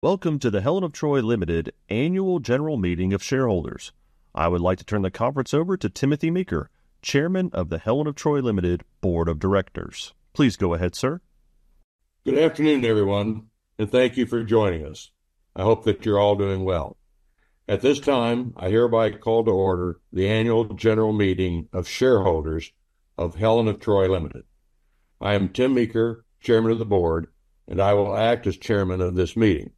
Welcome to the Helen of Troy Limited Annual General Meeting of shareholders. I would like to turn the conference over to Timothy Meeker, Chairman of the Helen of Troy Limited Board of Directors. Please go ahead, sir. Good afternoon, everyone, and thank you for joining us. I hope that you're all doing well. At this time, I hereby call to order the annual general meeting of shareholders of Helen of Troy Limited. I am Tim Meeker, Chairman of the Board, and I will act as chairman of this meeting.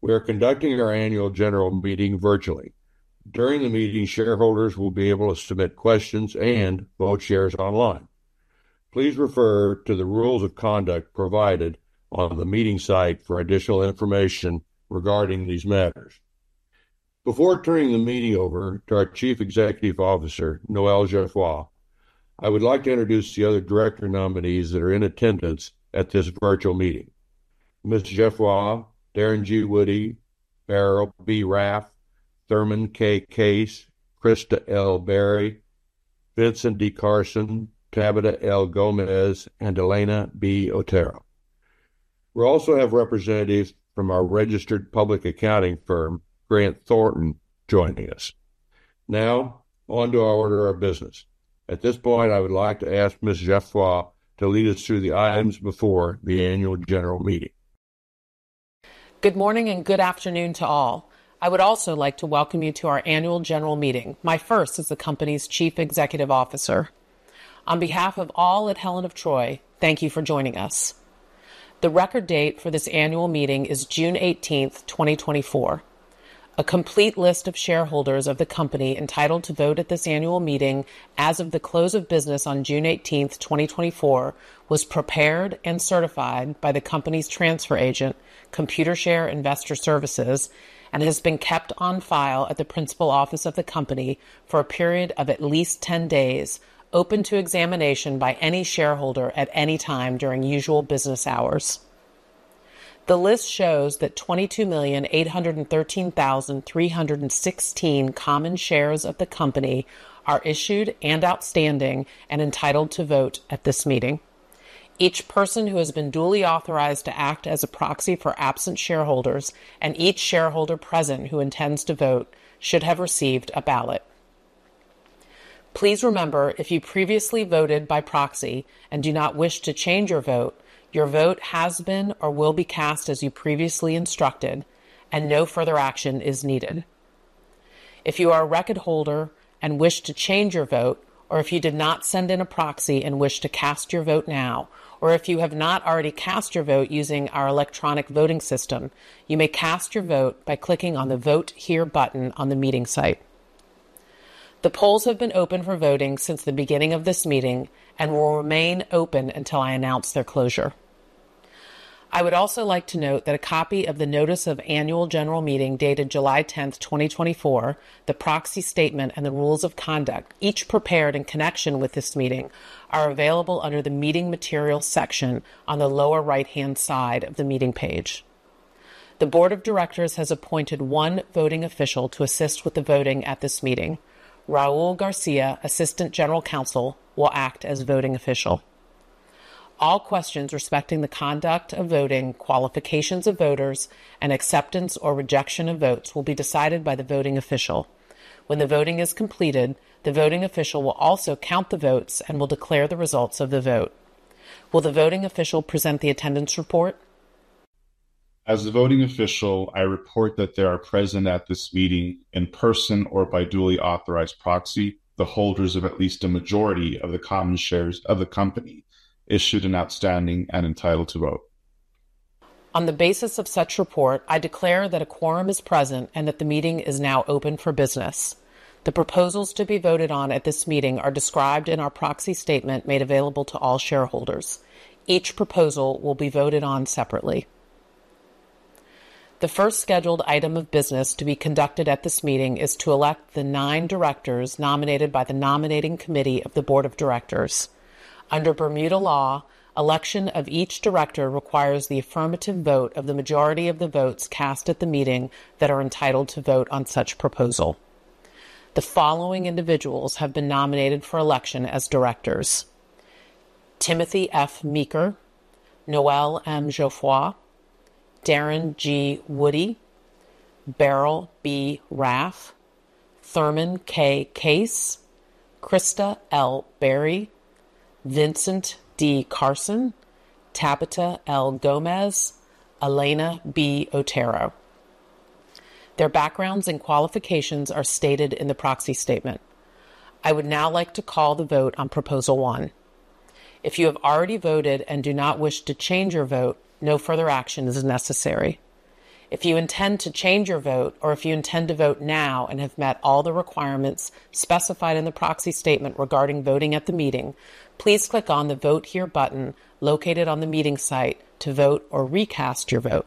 We are conducting our annual general meeting virtually. During the meeting, shareholders will be able to submit questions and vote shares online. Please refer to the rules of conduct provided on the meeting site for additional information regarding these matters. Before turning the meeting over to our Chief Executive Officer, Noel Geoffroy, I would like to introduce the other director nominees that are in attendance at this virtual meeting. Ms. Geoffroy, Darren G. Woody, Beryl B. Raff, Thurman K. Case, Krista L. Berry, Vincent D. Carson, Tabata L. Gomez, and Elena B. Otero. We also have representatives from our registered public accounting firm, Grant Thornton, joining us. Now, on to our order of business. At this point, I would like to ask Ms. Geoffroy to lead us through the items before the annual general meeting. Good morning and good afternoon to all. I would also like to welcome you to our annual general meeting, my first as the company's Chief Executive Officer. On behalf of all at Helen of Troy, thank you for joining us. The record date for this annual meeting is June 18th, 2024. A complete list of shareholders of the company entitled to vote at this annual meeting as of the close of business on June 18th, 2024, was prepared and certified by the company's transfer agent, Computershare Investor Services, and has been kept on file at the principal office of the company for a period of at least ten days, open to examination by any shareholder at any time during usual business hours. The list shows that 22,813,316 common shares of the company are issued and outstanding and entitled to vote at this meeting. Each person who has been duly authorized to act as a proxy for absent shareholders and each shareholder present who intends to vote should have received a ballot. Please remember, if you previously voted by proxy and do not wish to change your vote, your vote has been or will be cast as you previously instructed, and no further action is needed. If you are a record holder and wish to change your vote, or if you did not send in a proxy and wish to cast your vote now, or if you have not already cast your vote using our electronic voting system, you may cast your vote by clicking on the Vote Here button on the meeting site. The polls have been open for voting since the beginning of this meeting and will remain open until I announce their closure. I would also like to note that a copy of the notice of annual general meeting dated July 10th, 2024, the proxy statement, and the rules of conduct, each prepared in connection with this meeting, are available under the Meeting Materials section on the lower right-hand side of the meeting page. The board of directors has appointed one voting official to assist with the voting at this meeting. Raul Garcia, Assistant General Counsel, will act as voting official. All questions respecting the conduct of voting, qualifications of voters, and acceptance or rejection of votes will be decided by the voting official. When the voting is completed, the voting official will also count the votes and will declare the results of the vote. Will the voting official present the attendance report? As the voting official, I report that there are present at this meeting in person or by duly authorized proxy, the holders of at least a majority of the common shares of the company, issued and outstanding and entitled to vote. On the basis of such report, I declare that a quorum is present and that the meeting is now open for business. The proposals to be voted on at this meeting are described in our proxy statement made available to all shareholders. Each proposal will be voted on separately. The first scheduled item of business to be conducted at this meeting is to elect the nine directors nominated by the nominating committee of the board of directors. Under Bermuda law, election of each director requires the affirmative vote of the majority of the votes cast at the meeting that are entitled to vote on such proposal. The following individuals have been nominated for election as directors: Timothy F. Meeker, Noel M. Geoffroy, Darren G. Woody, Beryl B. Raff, Thurman K. Case, Krista L. Berry, Vincent D. Carson, Tabata L. Gomez, Elena B. Otero. Their backgrounds and qualifications are stated in the Proxy Statement. I would now like to call the vote on Proposal One. If you have already voted and do not wish to change your vote, no further action is necessary. If you intend to change your vote, or if you intend to vote now and have met all the requirements specified in the Proxy Statement regarding voting at the meeting, please click on the Vote Here button located on the meeting site to vote or recast your vote.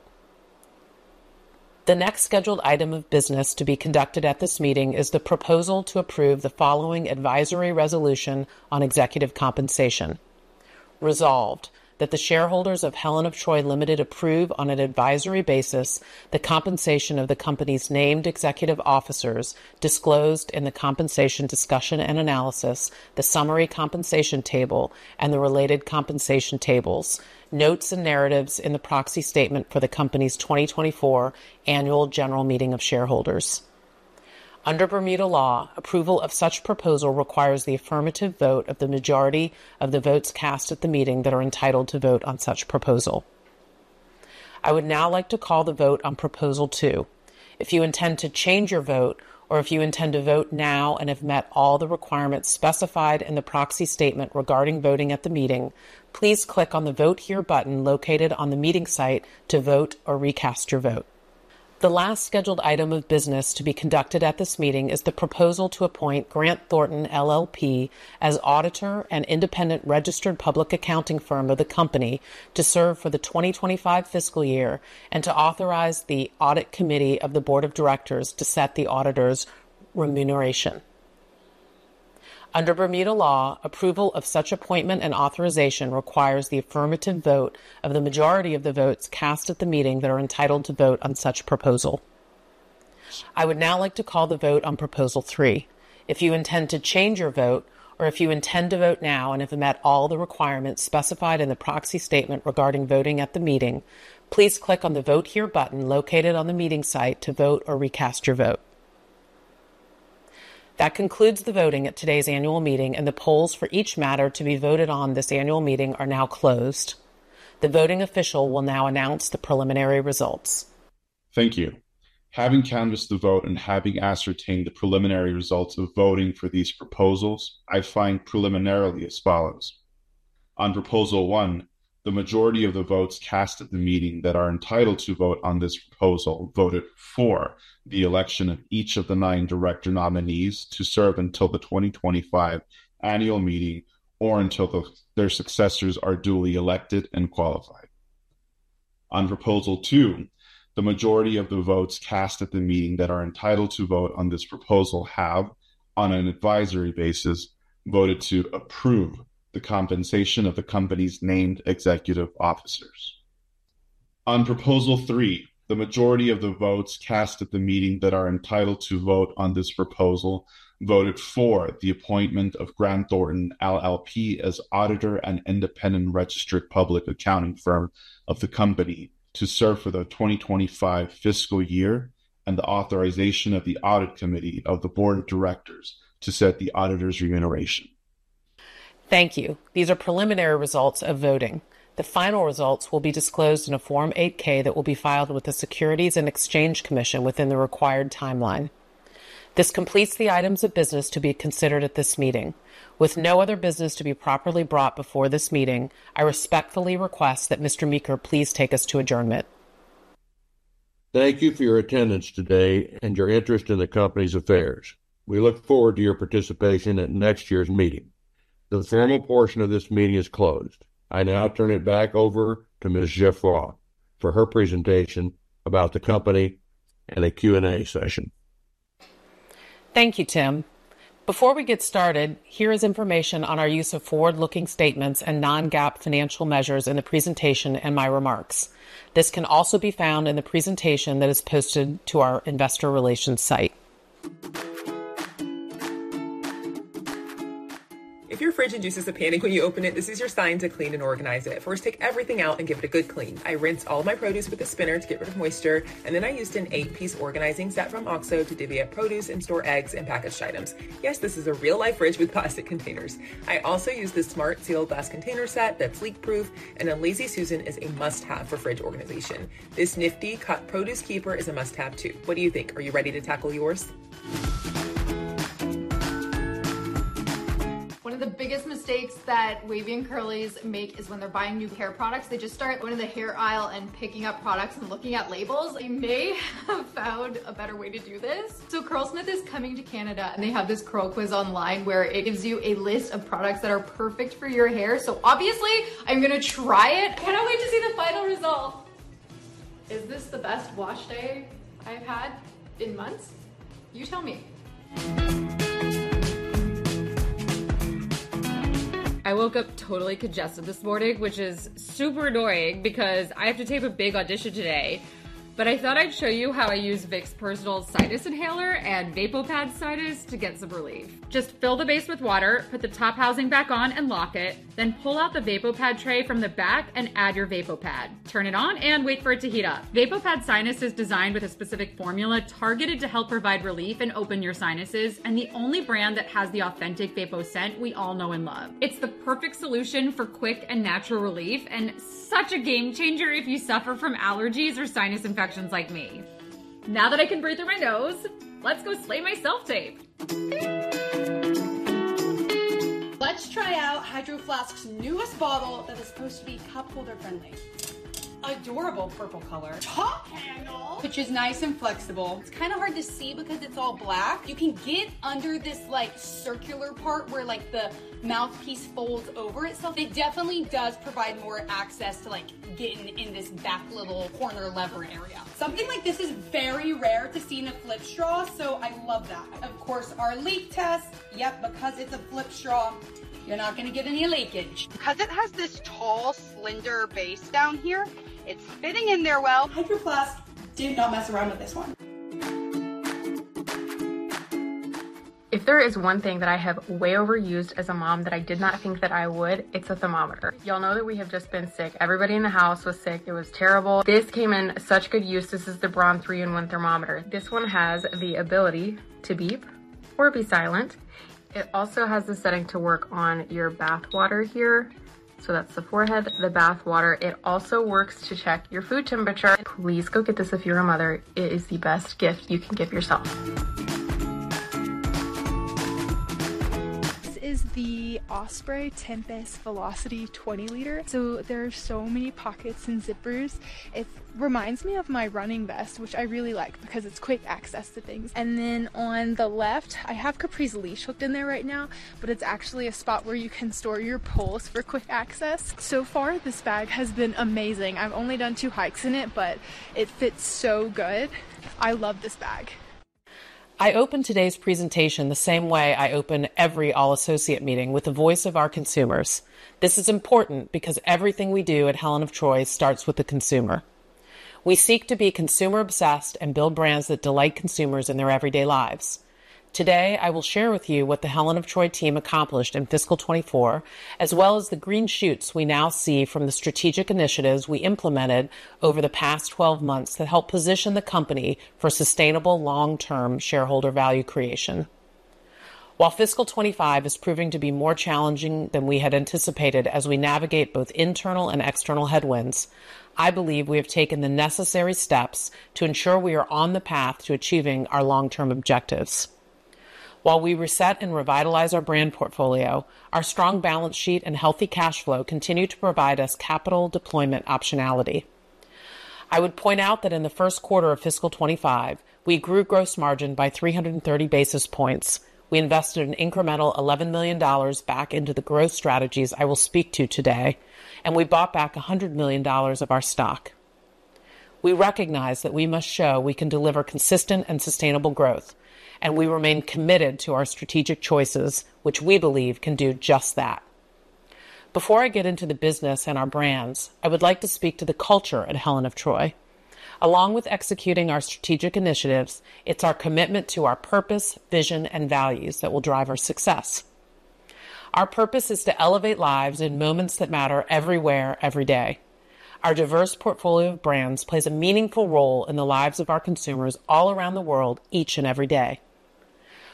The next scheduled item of business to be conducted at this meeting is the proposal to approve the following advisory resolution on executive compensation. Resolved, that the shareholders of Helen of Troy Limited approve, on an advisory basis, the compensation of the company's named executive officers disclosed in the compensation discussion and analysis, the summary compensation table, and the related compensation tables, notes, and narratives in the proxy statement for the company's 2024 annual general meeting of shareholders. Under Bermuda law, approval of such proposal requires the affirmative vote of the majority of the votes cast at the meeting that are entitled to vote on such proposal. I would now like to call the vote on Proposal Two. If you intend to change your vote, or if you intend to vote now and have met all the requirements specified in the proxy statement regarding voting at the meeting, please click on the Vote Here button located on the meeting site to vote or recast your vote. The last scheduled item of business to be conducted at this meeting is the proposal to appoint Grant Thornton LLP as auditor and independent registered public accounting firm of the company to serve for the 2025 fiscal year, and to authorize the audit committee of the board of directors to set the auditor's remuneration. Under Bermuda law, approval of such appointment and authorization requires the affirmative vote of the majority of the votes cast at the meeting that are entitled to vote on such proposal. I would now like to call the vote on Proposal Three. If you intend to change your vote, or if you intend to vote now and have met all the requirements specified in the Proxy Statement regarding voting at the meeting, please click on the Vote Here button located on the meeting site to vote or recast your vote. That concludes the voting at today's annual meeting, and the polls for each matter to be voted on this annual meeting are now closed. The voting official will now announce the preliminary results. Thank you. Having canvassed the vote and having ascertained the preliminary results of voting for these proposals, I find preliminarily as follows: On Proposal One, the majority of the votes cast at the meeting that are entitled to vote on this proposal voted for the election of each of the nine director nominees to serve until the 2025 annual meeting or until their successors are duly elected and qualified. On Proposal Two, the majority of the votes cast at the meeting that are entitled to vote on this proposal have, on an advisory basis, voted to approve the compensation of the company's named executive officers. On Proposal Three, the majority of the votes cast at the meeting that are entitled to vote on this proposal voted for the appointment of Grant Thornton LLP as auditor and independent registered public accounting firm of the company to serve for the 2025 fiscal year, and the authorization of the audit committee of the board of directors to set the auditor's remuneration. Thank you. These are preliminary results of voting. The final results will be disclosed in a Form 8-K that will be filed with the Securities and Exchange Commission within the required timeline. This completes the items of business to be considered at this meeting. With no other business to be properly brought before this meeting, I respectfully request that Mr. Meeker please take us to adjournment. Thank you for your attendance today and your interest in the company's affairs. We look forward to your participation at next year's meeting. The formal portion of this meeting is closed. I now turn it back over to Ms. Geoffroy for her presentation about the company and a Q&A session. Thank you, Tim. Before we get started, here is information on our use of forward-looking statements and non-GAAP financial measures in the presentation and my remarks. This can also be found in the presentation that is posted to our investor relations site. If your fridge induces a panic when you open it, this is your sign to clean and organize it. First, take everything out and give it a good clean. I rinse all my produce with a spinner to get rid of moisture, and then I used an eight-piece organizing set from OXO to divvy up produce and store eggs and packaged items. Yes, this is a real-life fridge with plastic containers. I also use this smart sealed glass container set that's leak-proof, and a Lazy Susan is a must-have for fridge organization. This nifty cut produce keeper is a must-have, too. What do you think? Are you ready to tackle yours? One of the biggest mistakes that wavy and curlies make is when they're buying new hair products, they just start going in the hair aisle and picking up products and looking at labels. I may have found a better way to do this. So Curlsmith is coming to Canada, and they have this curl quiz online where it gives you a list of products that are perfect for your hair, so obviously, I'm gonna try it. Cannot wait to see the final result! Is this the best wash day I've had in months? You tell me. I woke up totally congested this morning, which is super annoying, because I have to tape a big audition today, but I thought I'd show you how I use Vicks Personal Sinus Inhaler and VapoPad Sinus to get some relief. Just fill the base with water, put the top housing back on and lock it, then pull out the VapoPad tray from the back and add your VapoPad. Turn it on, and wait for it to heat up. VapoPad Sinus is designed with a specific formula targeted to help provide relief and open your sinuses, and the only brand that has the authentic VapoSteam we all know and love. It's the perfect solution for quick and natural relief, and such a game changer if you suffer from allergies or sinus infections like me. Now that I can breathe through my nose, let's go slay my self-tape! Let's try out Hydro Flask's newest bottle that is supposed to be cup holder friendly. Adorable purple color. Top handle, which is nice and flexible. It's kind of hard to see because it's all black. You can get under this, like, circular part where, like, the mouthpiece folds over itself. It definitely does provide more access to, like, getting in this back little corner lever area. Something like this is very rare to see in a flip straw, so I love that. Of course, our leak test. Yep, because it's a flip straw, you're not gonna get any leakage. Because it has this tall, slender base down here, it's fitting in there well. Hydro Flask did not mess around with this one. If there is one thing that I have way overused as a mom that I did not think that I would, it's a thermometer. Y'all know that we have just been sick. Everybody in the house was sick. It was terrible. This came in such good use. This is the Braun 3-in-1 thermometer. This one has the ability to beep or be silent. It also has the setting to work on your bath water here. So that's the forehead, the bath water. It also works to check your food temperature. Please go get this if you're a mother. It is the best gift you can give yourself. This is the Osprey Tempest Velocity 20 L. So there are so many pockets and zippers. It reminds me of my running vest, which I really like, because it's quick access to things. And then on the left, I have Capri's leash hooked in there right now, but it's actually a spot where you can store your poles for quick access. So far, this bag has been amazing. I've only done two hikes in it, but it fits so good. I love this bag. I open today's presentation the same way I open every all-associate meeting, with the voice of our consumers. This is important because everything we do at Helen of Troy starts with the consumer. We seek to be consumer-obsessed and build brands that delight consumers in their everyday lives. Today, I will share with you what the Helen of Troy team accomplished in fiscal 2024, as well as the green shoots we now see from the strategic initiatives we implemented over the past 12 months that help position the company for sustainable long-term shareholder value creation. While fiscal 2025 is proving to be more challenging than we had anticipated as we navigate both internal and external headwinds, I believe we have taken the necessary steps to ensure we are on the path to achieving our long-term objectives. While we reset and revitalize our brand portfolio, our strong balance sheet and healthy cash flow continue to provide us capital deployment optionality. I would point out that in the first quarter of fiscal 2025, we grew gross margin by 330 basis points. We invested an incremental $11 million back into the growth strategies I will speak to today, and we bought back $100 million of our stock. We recognize that we must show we can deliver consistent and sustainable growth, and we remain committed to our strategic choices, which we believe can do just that. Before I get into the business and our brands, I would like to speak to the culture at Helen of Troy. Along with executing our strategic initiatives, it's our commitment to our purpose, vision, and values that will drive our success. Our purpose is to elevate lives in moments that matter everywhere, every day. Our diverse portfolio of brands plays a meaningful role in the lives of our consumers all around the world, each and every day.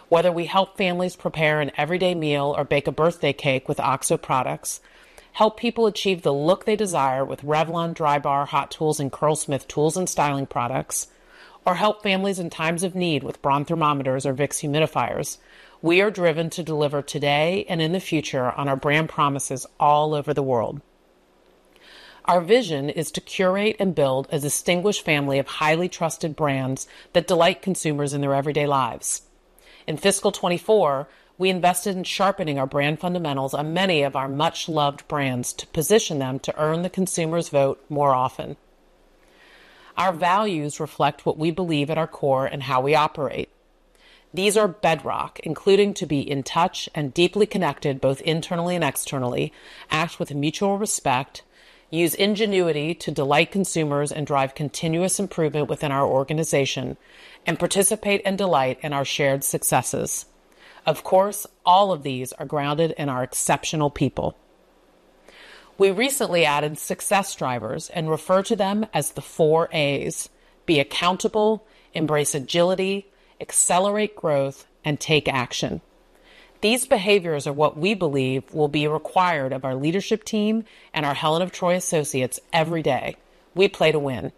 Whether we help families prepare an everyday meal or bake a birthday cake with OXO products, help people achieve the look they desire with Revlon, Drybar, Hot Tools, and Curlsmith tools and styling products, or help families in times of need with Braun thermometers or Vicks humidifiers, we are driven to deliver today and in the future on our brand promises all over the world. Our vision is to curate and build a distinguished family of highly trusted brands that delight consumers in their everyday lives. In fiscal 2024, we invested in sharpening our brand fundamentals on many of our much-loved brands to position them to earn the consumer's vote more often. Our values reflect what we believe at our core and how we operate. These are bedrock, including to be in touch and deeply connected, both internally and externally, act with mutual respect, use ingenuity to delight consumers and drive continuous improvement within our organization, and participate and delight in our shared successes. Of course, all of these are grounded in our exceptional people. We recently added success drivers and refer to them as the four A's: be accountable, embrace agility, accelerate growth, and take action. These behaviors are what we believe will be required of our leadership team and our Helen of Troy associates every day. We play to win.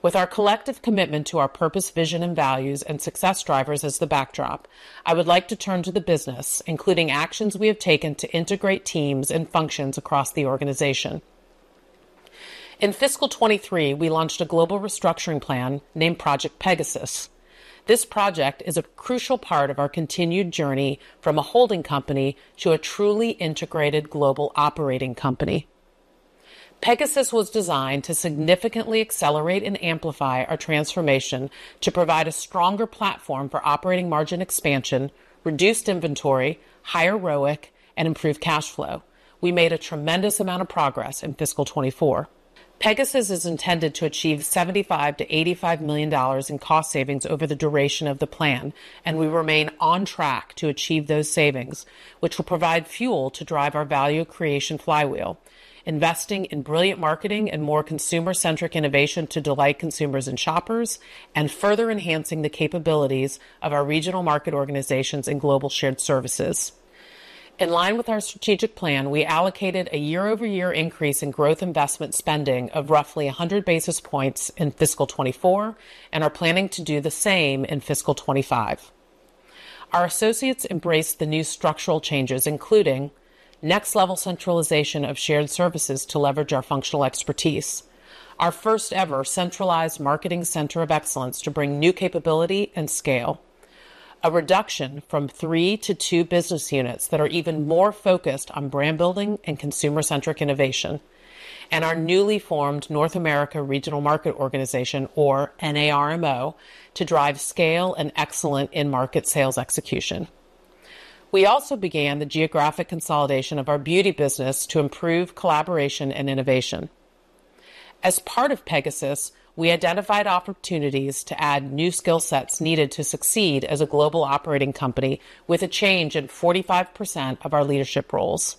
With our collective commitment to our purpose, vision, and values, and success drivers as the backdrop, I would like to turn to the business, including actions we have taken to integrate teams and functions across the organization. In fiscal 2023, we launched a global restructuring plan named Project Pegasus. This project is a crucial part of our continued journey from a holding company to a truly integrated global operating company. Pegasus was designed to significantly accelerate and amplify our transformation to provide a stronger platform for operating margin expansion, reduced inventory, higher ROIC, and improved cash flow. We made a tremendous amount of progress in fiscal 2024. Pegasus is intended to achieve $75 million-$85 million in cost savings over the duration of the plan, and we remain on track to achieve those savings, which will provide fuel to drive our value creation flywheel, investing in brilliant marketing and more consumer-centric innovation to delight consumers and shoppers, and further enhancing the capabilities of our regional market organizations and global shared services. In line with our strategic plan, we allocated a year-over-year increase in growth investment spending of roughly a 100 basis points in fiscal 2024, and are planning to do the same in fiscal 2025. Our associates embraced the new structural changes, including next-level centralization of shared services to leverage our functional expertise, our first-ever centralized marketing center of excellence to bring new capability and scale, a reduction from three to two business units that are even more focused on brand building and consumer-centric innovation, and our newly formed North America Regional Market Organization, or NARMO, to drive scale and excellent in-market sales execution. We also began the geographic consolidation of our beauty business to improve collaboration and innovation. As part of Pegasus, we identified opportunities to add new skill sets needed to succeed as a global operating company with a change in 45% of our leadership roles.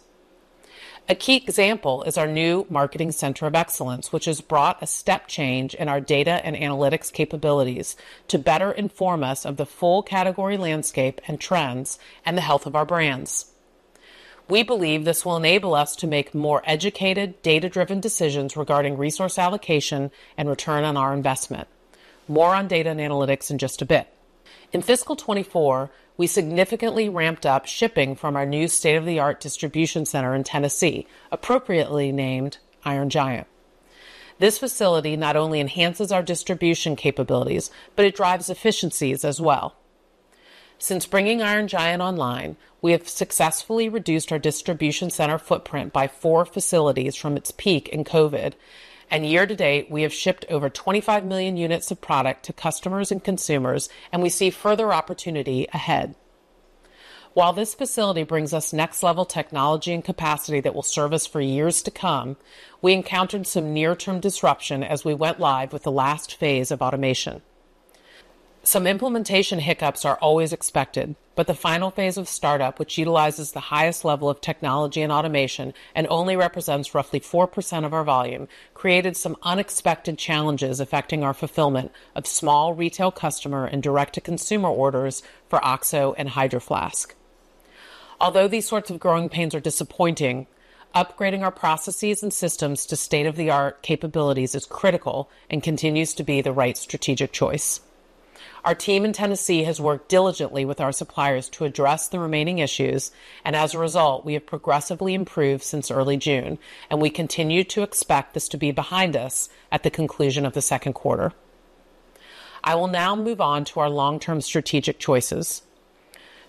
A key example is our new marketing center of excellence, which has brought a step change in our data and analytics capabilities to better inform us of the full category landscape and trends, and the health of our brands. We believe this will enable us to make more educated, data-driven decisions regarding resource allocation and return on our investment. More on data and analytics in just a bit. In fiscal 2024, we significantly ramped up shipping from our new state-of-the-art distribution center in Tennessee, appropriately named Iron Giant. This facility not only enhances our distribution capabilities, but it drives efficiencies as well. Since bringing Iron Giant online, we have successfully reduced our distribution center footprint by four facilities from its peak in COVID, and year to date, we have shipped over 25 million units of product to customers and consumers, and we see further opportunity ahead. While this facility brings us next-level technology and capacity that will serve us for years to come, we encountered some near-term disruption as we went live with the last phase of automation. Some implementation hiccups are always expected, but the final phase of startup, which utilizes the highest level of technology and automation and only represents roughly 4% of our volume, created some unexpected challenges affecting our fulfillment of small retail customer and direct-to-consumer orders for OXO and Hydro Flask. Although these sorts of growing pains are disappointing, upgrading our processes and systems to state-of-the-art capabilities is critical and continues to be the right strategic choice. Our team in Tennessee has worked diligently with our suppliers to address the remaining issues, and as a result, we have progressively improved since early June, and we continue to expect this to be behind us at the conclusion of the second quarter. I will now move on to our long-term strategic choices.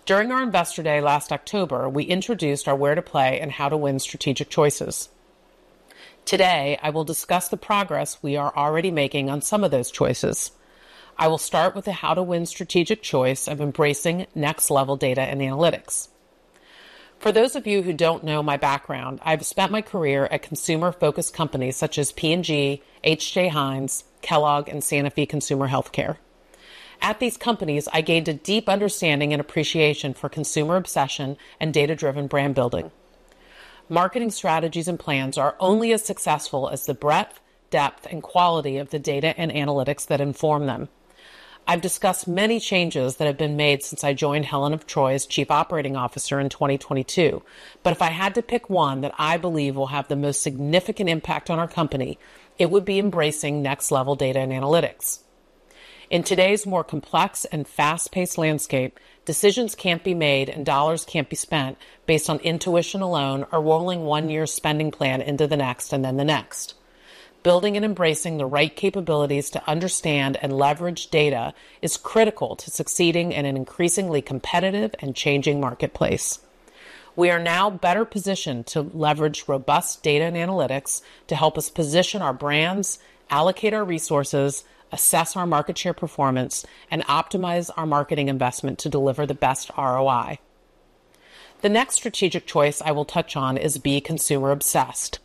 During our Investor Day last October, we introduced our where to play and how to win strategic choices. Today, I will discuss the progress we are already making on some of those choices. I will start with the how to win strategic choice of embracing next-level data and analytics. For those of you who don't know my background, I've spent my career at consumer-focused companies such as P&G, H.J. Heinz, Kellogg, and Sanofi Consumer Healthcare. At these companies, I gained a deep understanding and appreciation for consumer obsession and data-driven brand building. Marketing strategies and plans are only as successful as the breadth, depth, and quality of the data and analytics that inform them. I've discussed many changes that have been made since I joined Helen of Troy as Chief Operating Officer in 2022, but if I had to pick one that I believe will have the most significant impact on our company, it would be embracing next-level data and analytics. In today's more complex and fast-paced landscape, decisions can't be made and dollars can't be spent based on intuition alone, or rolling one year's spending plan into the next, and then the next. Building and embracing the right capabilities to understand and leverage data is critical to succeeding in an increasingly competitive and changing marketplace. We are now better positioned to leverage robust data and analytics to help us position our brands, allocate our resources, assess our market share performance, and optimize our marketing investment to deliver the best ROI. The next strategic choice I will touch on is to be consumer-obsessed.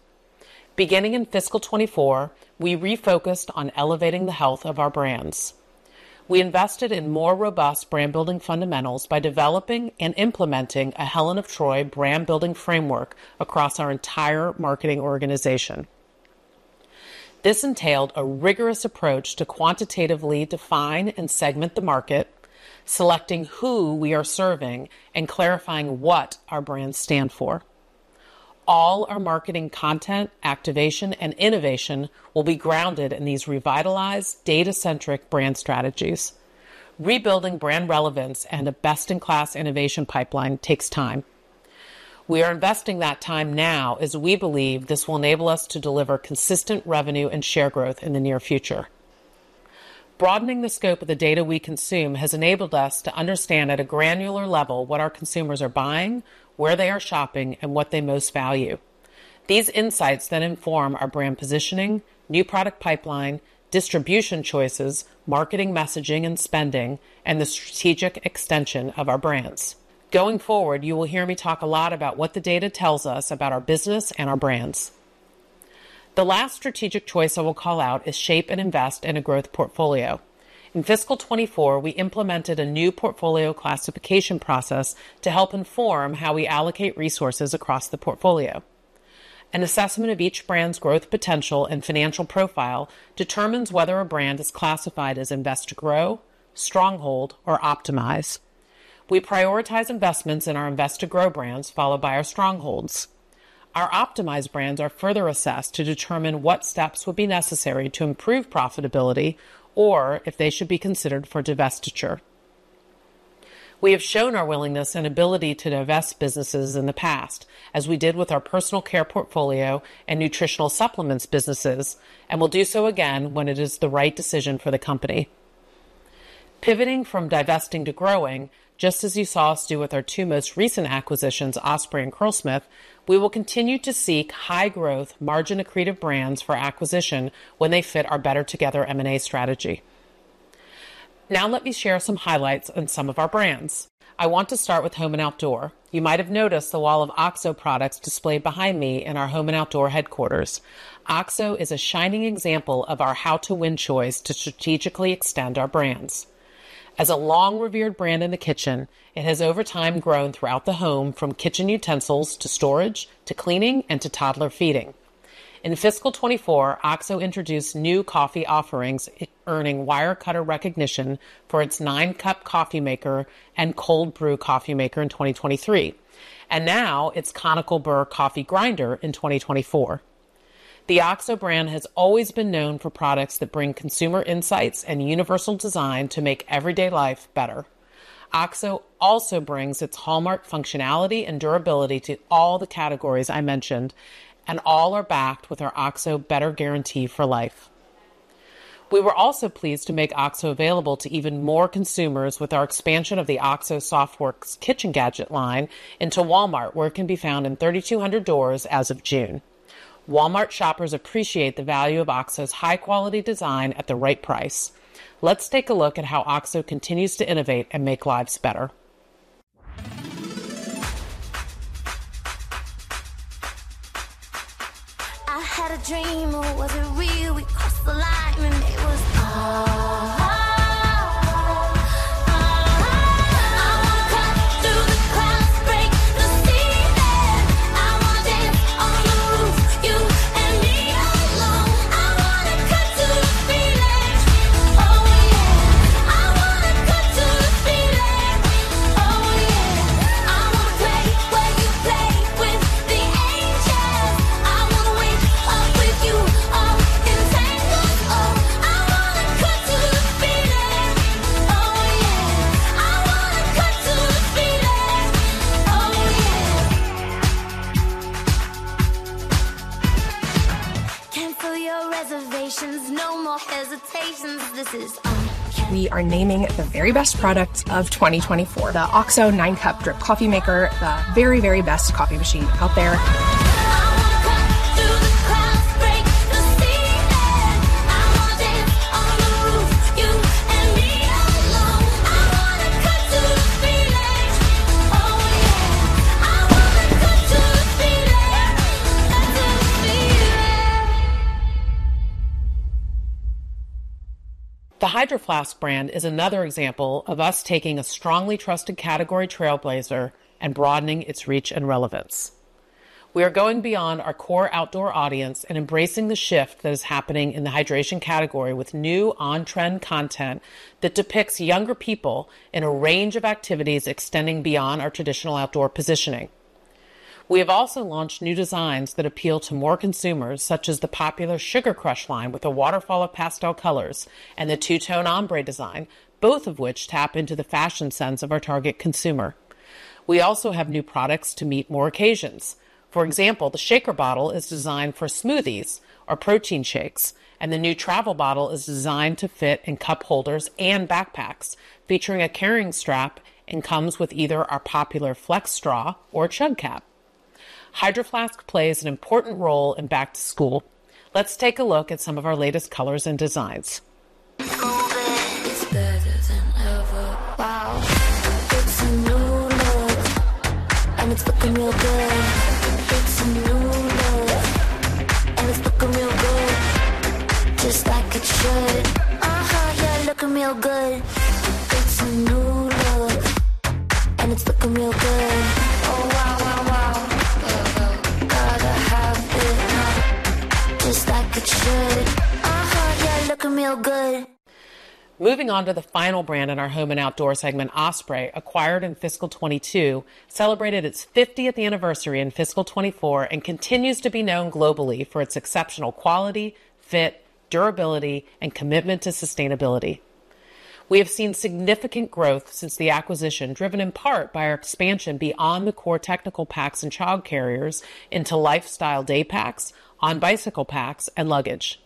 Beginning in fiscal 2024, we refocused on elevating the health of our brands. We invested in more robust brand-building fundamentals by developing and implementing a Helen of Troy brand-building framework across our entire marketing organization. This entailed a rigorous approach to quantitatively define and segment the market, selecting who we are serving, and clarifying what our brands stand for. All our marketing content, activation, and innovation will be grounded in these revitalized data-centric brand strategies. Rebuilding brand relevance and a best-in-class innovation pipeline takes time. We are investing that time now, as we believe this will enable us to deliver consistent revenue and share growth in the near future. Broadening the scope of the data we consume has enabled us to understand at a granular level what our consumers are buying, where they are shopping, and what they most value. These insights then inform our brand positioning, new product pipeline, distribution choices, marketing, messaging, and spending, and the strategic extension of our brands. Going forward, you will hear me talk a lot about what the data tells us about our business and our brands. The last strategic choice I will call out is shape and invest in a growth portfolio. In fiscal 2024, we implemented a new portfolio classification process to help inform how we allocate resources across the portfolio. An assessment of each brand's growth, potential, and financial profile determines whether a brand is classified as invest to grow, stronghold, or optimize. We prioritize investments in our invest to grow brands, followed by our strongholds. Our optimized brands are further assessed to determine what steps would be necessary to improve profitability or if they should be considered for divestiture. We have shown our willingness and ability to divest businesses in the past, as we did with our personal care portfolio and nutritional supplements businesses, and will do so again when it is the right decision for the company. Pivoting from divesting to growing, just as you saw us do with our two most recent acquisitions, Osprey and Curlsmith, we will continue to seek high growth, margin accretive brands for acquisition when they fit our Better Together M&A strategy. Now let me share some highlights on some of our brands. I want to start with Home & Outdoor. You might have noticed the wall of OXO products displayed behind me in our Home & Outdoor headquarters. OXO is a shining example of our how to win choice to strategically extend our brands. As a long-revered brand in the kitchen, it has over time grown throughout the home, from kitchen utensils, to storage, to cleaning, and to toddler feeding. In fiscal 2024, OXO introduced new coffee offerings, earning Wirecutter recognition for its 9 Cup Coffee Maker and Cold Brew Coffee Maker in 2023, and now its Conical Burr Coffee Grinder in 2024. The OXO brand has always been known for products that bring consumer insights and universal design to make everyday life better. OXO also brings its hallmark functionality and durability to all the categories I mentioned, and all are backed with our OXO Better Guarantee for life. We were also pleased to make OXO available to even more consumers with our expansion of the OXO SoftWorks kitchen gadget line into Walmart, where it can be found in 3,200 doors as of June. Walmart shoppers appreciate the value of OXO's high-quality design at the right price. Let's take a look at how OXO continues to innovate and make lives better. I had a dream, but was it real? We crossed the line and I wanna cut through the clouds, break the ceiling. I wanna dance on the roof, you and me alone. I wanna cut to the feeling. Oh, yeah. I wanna cut to the feeling, cut to the feeling. The Hydro Flask brand is another example of us taking a strongly trusted category trailblazer and broadening its reach and relevance. We are going beyond our core outdoor audience and embracing the shift that is happening in the hydration category with new on-trend content that depicts younger people in a range of activities extending beyond our traditional outdoor positioning. We have also launched new designs that appeal to more consumers, such as the popular Sugar Crush line with a waterfall of pastel colors and the two-tone ombre design, both of which tap into the fashion sense of our target consumer. We also have new products to meet more occasions. For example, the shaker bottle is designed for smoothies or protein shakes, and the new travel bottle is designed to fit in cup holders and backpacks, featuring a carrying strap, and comes with either our popular Flex Straw or Chug Cap. Hydro Flask plays an important role in back to school. Let's take a look at some of our latest colors and designs. It's better than ever. Wow! It's a new look, and it's looking real good. It's a new look, and it's looking real good, just like it should. Uh-huh, yeah, looking real good. It's a new look, and it's looking real good. Oh, wow, wow, wow. Gotta have it, just like it should. Uh-huh, yeah, looking real good. Moving on to the final brand in our Home & Outdoor segment, Osprey, acquired in fiscal 2022, celebrated its fiftieth anniversary in fiscal 2024 and continues to be known globally for its exceptional quality, fit, durability, and commitment to sustainability. We have seen significant growth since the acquisition, driven in part by our expansion beyond the core technical packs and child carriers into lifestyle day packs, on-bicycle packs, and luggage.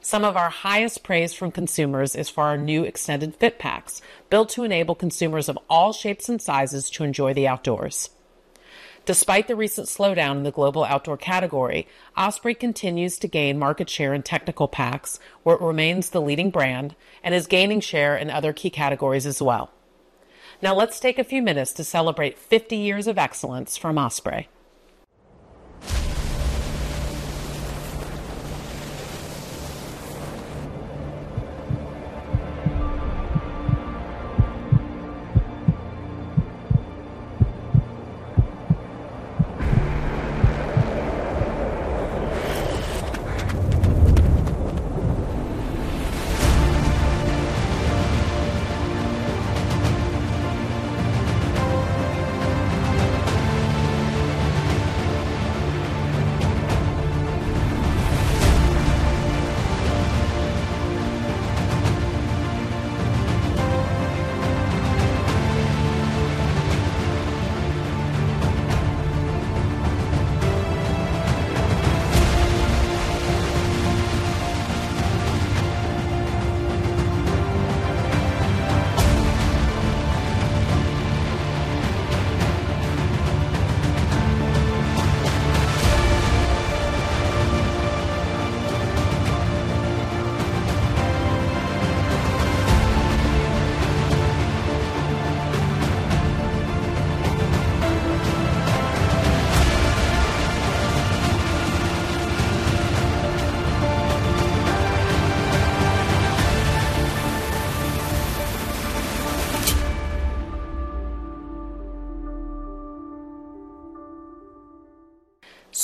Some of our highest praise from consumers is for our new Extended Fit packs, built to enable consumers of all shapes and sizes to enjoy the outdoors. Despite the recent slowdown in the global outdoor category, Osprey continues to gain market share in technical packs, where it remains the leading brand and is gaining share in other key categories as well. Now, let's take a few minutes to celebrate 50 years of excellence from Osprey.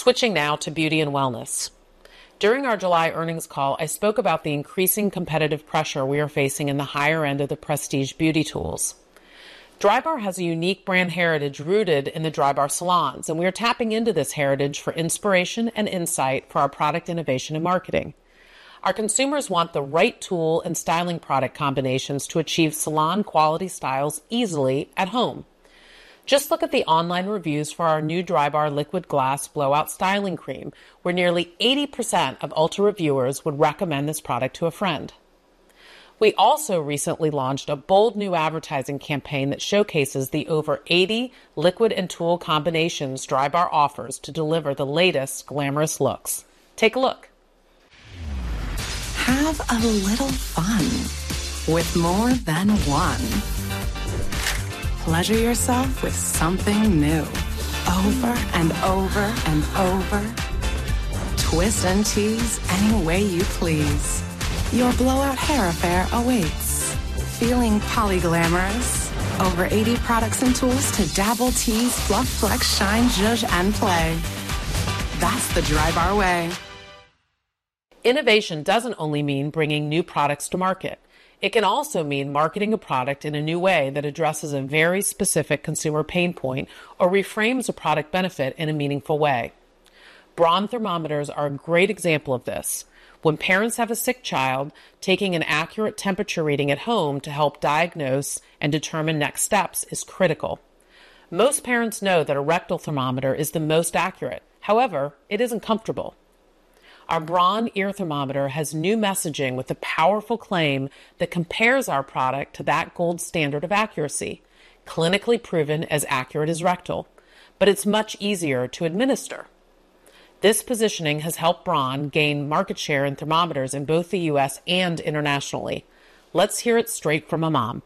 Switching now to Beauty & Wellness. During our July earnings call, I spoke about the increasing competitive pressure we are facing in the higher end of the prestige beauty tools. Drybar has a unique brand heritage rooted in the Drybar salons, and we are tapping into this heritage for inspiration and insight for our product innovation and marketing. Our consumers want the right tool and styling product combinations to achieve salon quality styles easily at home. Just look at the online reviews for our new Drybar Liquid Glass Blowout Styling Cream, where nearly 80% of Ulta reviewers would recommend this product to a friend. We also recently launched a bold new advertising campaign that showcases the over 80 liquid and tool combinations Drybar offers to deliver the latest glamorous looks. Take a look. Have a little fun with more than one. Pleasure yourself with something new, over, and over, and over. Twist and tease any way you please. Your blowout hair affair awaits. Feeling poly glamorous? Over 80 products and tools to dabble, tease, fluff, flex, shine, zhuzh, and play. That's the Drybar way. Innovation doesn't only mean bringing new products to market. It can also mean marketing a product in a new way that addresses a very specific consumer pain point or reframes a product benefit in a meaningful way. Braun thermometers are a great example of this. When parents have a sick child, taking an accurate temperature reading at home to help diagnose and determine next steps is critical. Most parents know that a rectal thermometer is the most accurate. However, it isn't comfortable. Our Braun Ear Thermometer has new messaging with a powerful claim that compares our product to that gold standard of accuracy, clinically proven as accurate as rectal, but it's much easier to administer. This positioning has helped Braun gain market share in thermometers in both the U.S. and internationally. Let's hear it straight from a mom.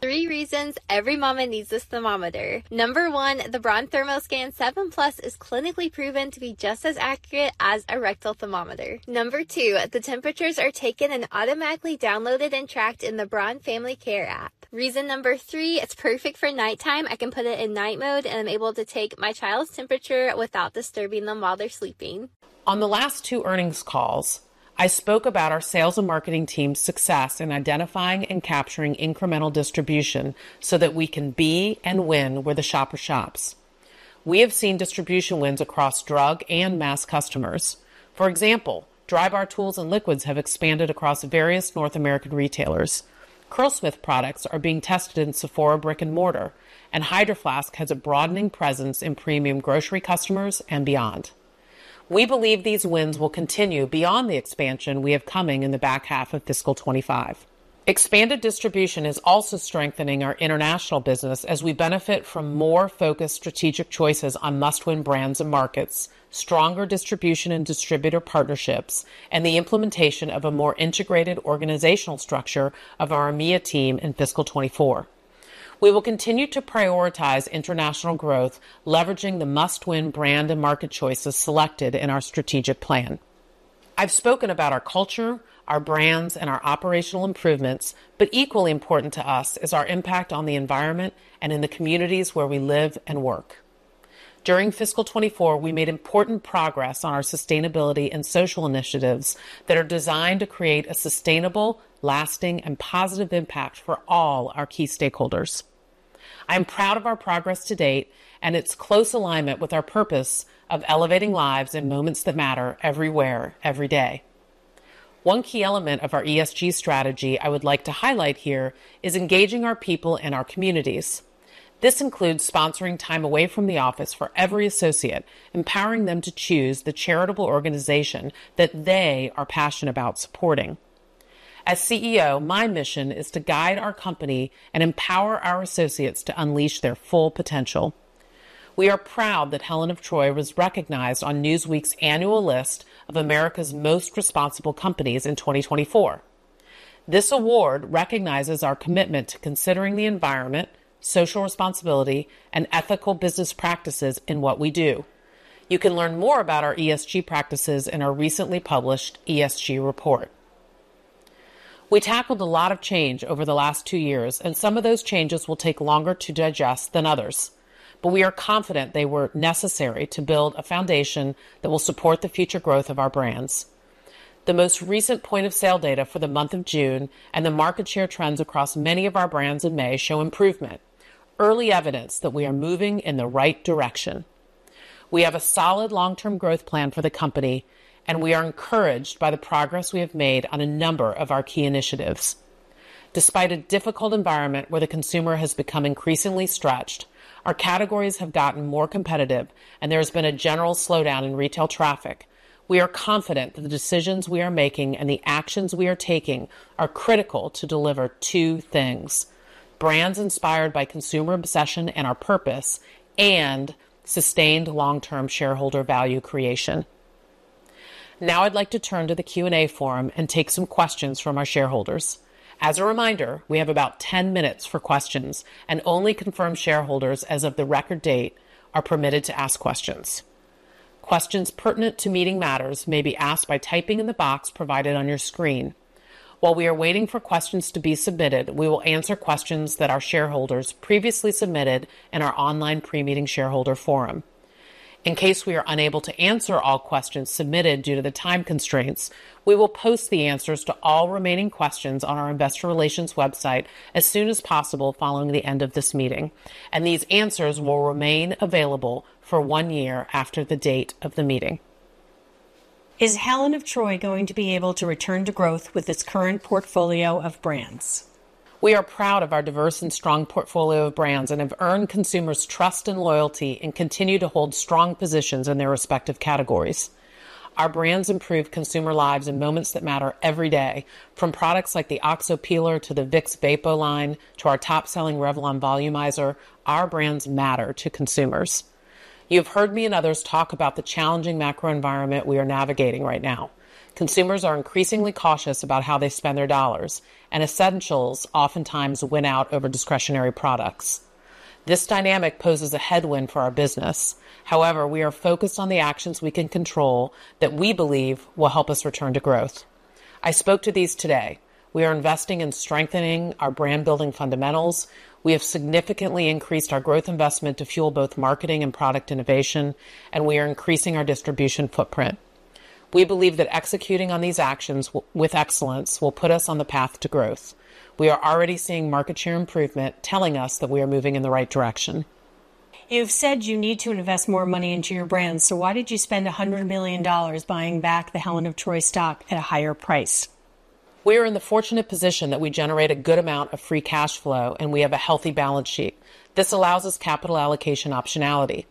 Three reasons every mama needs this thermometer. Number one, the Braun ThermoScan 7+ is clinically proven to be just as accurate as a rectal thermometer. Number two, the temperatures are taken and automatically downloaded and tracked in the Braun Family Care app. Reason number three, it's perfect for nighttime. I can put it in night mode, and I'm able to take my child's temperature without disturbing them while they're sleeping. On the last two earnings calls, I spoke about our sales and marketing team's success in identifying and capturing incremental distribution so that we can be and win where the shopper shops. We have seen distribution wins across drug and mass customers. For example, Drybar tools and liquids have expanded across various North American retailers. Curlsmith products are being tested in Sephora brick and mortar, and Hydro Flask has a broadening presence in premium grocery customers and beyond. We believe these wins will continue beyond the expansion we have coming in the back half of fiscal 2025. Expanded distribution is also strengthening our international business as we benefit from more focused strategic choices on must-win brands and markets, stronger distribution and distributor partnerships, and the implementation of a more integrated organizational structure of our EMEA team in fiscal 2024. We will continue to prioritize international growth, leveraging the must-win brand and market choices selected in our strategic plan. I've spoken about our culture, our brands, and our operational improvements, but equally important to us is our impact on the environment and in the communities where we live and work. During fiscal 2024, we made important progress on our sustainability and social initiatives that are designed to create a sustainable, lasting, and positive impact for all our key stakeholders. I'm proud of our progress to date and its close alignment with our purpose of elevating lives in moments that matter everywhere, every day. One key element of our ESG strategy I would like to highlight here is engaging our people and our communities. This includes sponsoring time away from the office for every associate, empowering them to choose the charitable organization that they are passionate about supporting. As CEO, my mission is to guide our company and empower our associates to unleash their full potential. We are proud that Helen of Troy was recognized on Newsweek's annual list of America's Most Responsible Companies in 2024. This award recognizes our commitment to considering the environment, social responsibility, and ethical business practices in what we do. You can learn more about our ESG practices in our recently published ESG report. We tackled a lot of change over the last two years, and some of those changes will take longer to digest than others, but we are confident they were necessary to build a foundation that will support the future growth of our brands. The most recent point-of-sale data for the month of June and the market share trends across many of our brands in May show improvement, early evidence that we are moving in the right direction. We have a solid long-term growth plan for the company, and we are encouraged by the progress we have made on a number of our key initiatives. Despite a difficult environment where the consumer has become increasingly stretched, our categories have gotten more competitive, and there has been a general slowdown in retail traffic. We are confident that the decisions we are making and the actions we are taking are critical to deliver two things: brands inspired by consumer obsession and our purpose, and sustained long-term shareholder value creation. Now I'd like to turn to the Q&A forum and take some questions from our shareholders. As a reminder, we have about ten minutes for questions, and only confirmed shareholders as of the record date are permitted to ask questions. Questions pertinent to meeting matters may be asked by typing in the box provided on your screen. While we are waiting for questions to be submitted, we will answer questions that our shareholders previously submitted in our online pre-meeting shareholder forum. In case we are unable to answer all questions submitted due to the time constraints, we will post the answers to all remaining questions on our investor relations website as soon as possible following the end of this meeting, and these answers will remain available for one year after the date of the meeting. Is Helen of Troy going to be able to return to growth with its current portfolio of brands? We are proud of our diverse and strong portfolio of brands, and have earned consumers' trust and loyalty, and continue to hold strong positions in their respective categories. Our brands improve consumer lives in moments that matter every day, from products like the OXO Peeler, to the Vicks Vapo line, to our top-selling Revlon Volumizer. Our brands matter to consumers. You've heard me and others talk about the challenging macro environment we are navigating right now. Consumers are increasingly cautious about how they spend their dollars, and essentials oftentimes win out over discretionary products. This dynamic poses a headwind for our business. However, we are focused on the actions we can control that we believe will help us return to growth. I spoke to these today. We are investing in strengthening our brand-building fundamentals. We have significantly increased our growth investment to fuel both marketing and product innovation, and we are increasing our distribution footprint. We believe that executing on these actions with excellence will put us on the path to growth. We are already seeing market share improvement, telling us that we are moving in the right direction. You've said you need to invest more money into your brands, so why did you spend $100 million buying back the Helen of Troy stock at a higher price? We are in the fortunate position that we generate a good amount of free cash flow, and we have a healthy balance sheet. This allows us capital allocation optionality.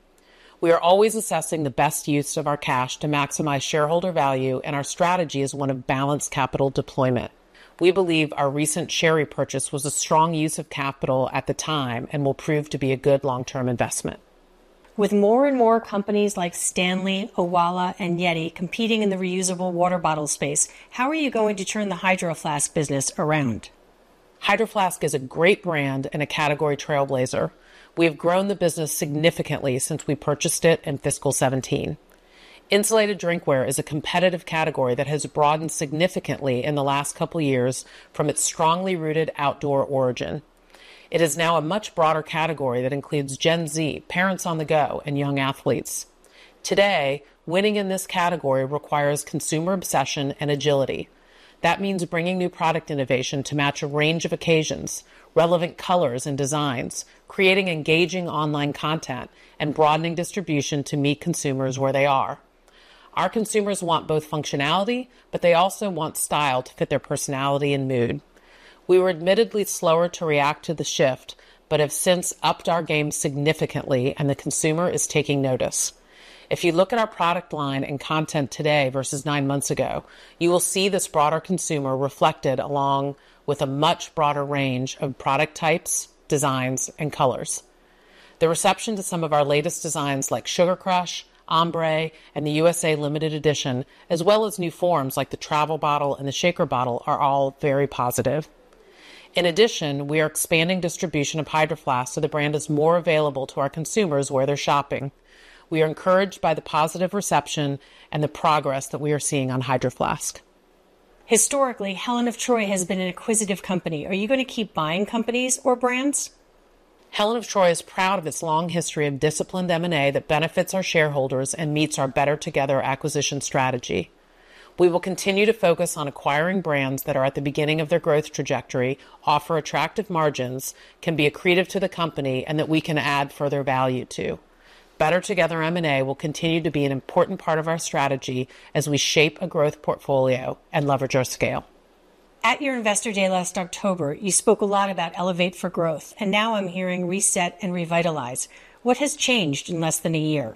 We are always assessing the best use of our cash to maximize shareholder value, and our strategy is one of balanced capital deployment. We believe our recent share repurchase was a strong use of capital at the time and will prove to be a good long-term investment. With more and more companies like Stanley, Owala, and Yeti competing in the reusable water bottle space, how are you going to turn the Hydro Flask business around? Hydro Flask is a great brand and a category trailblazer. We have grown the business significantly since we purchased it in fiscal 2017. Insulated drinkware is a competitive category that has broadened significantly in the last couple years from its strongly rooted outdoor origin. It is now a much broader category that includes Gen Z, parents on the go, and young athletes. Today, winning in this category requires consumer obsession and agility. That means bringing new product innovation to match a range of occasions, relevant colors and designs, creating engaging online content, and broadening distribution to meet consumers where they are. Our consumers want both functionality, but they also want style to fit their personality and mood. We were admittedly slower to react to the shift, but have since upped our game significantly, and the consumer is taking notice. If you look at our product line and content today versus nine months ago, you will see this broader consumer reflected, along with a much broader range of product types, designs, and colors. The reception to some of our latest designs, like Sugar Crush, Ombre, and the USA Limited Edition, as well as new forms, like the travel bottle and the shaker bottle, are all very positive. In addition, we are expanding distribution of Hydro Flask, so the brand is more available to our consumers where they're shopping. We are encouraged by the positive reception and the progress that we are seeing on Hydro Flask. Historically, Helen of Troy has been an acquisitive company. Are you going to keep buying companies or brands? Helen of Troy is proud of its long history of disciplined M&A that benefits our shareholders and meets our Better Together acquisition strategy. We will continue to focus on acquiring brands that are at the beginning of their growth trajectory, offer attractive margins, can be accretive to the company, and that we can add further value to. Better Together M&A will continue to be an important part of our strategy as we shape a growth portfolio and leverage our scale. At your Investor Day last October, you spoke a lot about Elevate for Growth, and now I'm hearing Reset and Revitalize. What has changed in less than a year?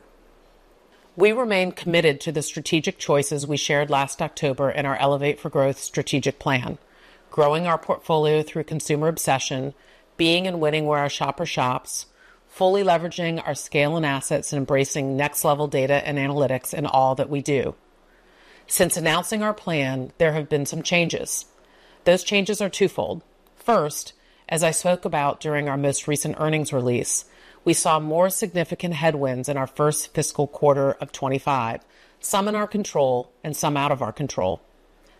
We remain committed to the strategic choices we shared last October in our Elevate for Growth strategic plan, growing our portfolio through consumer obsession, being and winning where our shopper shops, fully leveraging our scale and assets, and embracing next-level data and analytics in all that we do. Since announcing our plan, there have been some changes. Those changes are twofold. First, as I spoke about during our most recent earnings release, we saw more significant headwinds in our first fiscal quarter of 2025, some in our control and some out of our control.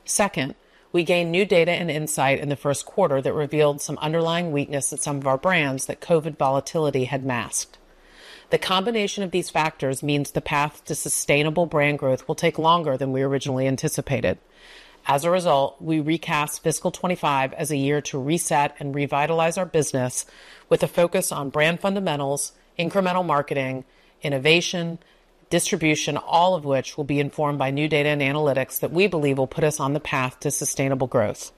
Second, we gained new data and insight in the first quarter that revealed some underlying weakness at some of our brands that COVID volatility had masked. The combination of these factors means the path to sustainable brand growth will take longer than we originally anticipated. As a result, we recast fiscal 2025 as a year to reset and revitalize our business, with a focus on brand fundamentals, incremental marketing, innovation, distribution, all of which will be informed by new data and analytics that we believe will put us on the path to sustainable growth.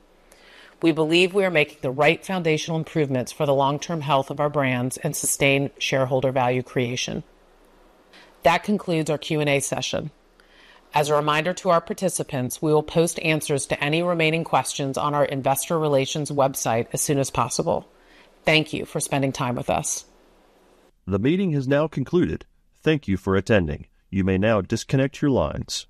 We believe we are making the right foundational improvements for the long-term health of our brands and sustained shareholder value creation. That concludes our Q&A session. As a reminder to our participants, we will post answers to any remaining questions on our investor relations website as soon as possible. Thank you for spending time with us. The meeting has now concluded. Thank you for attending. You may now disconnect your lines.